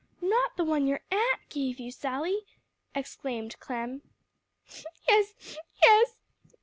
"Not the one your aunt gave you, Sally!" exclaimed Clem. "Yes yes."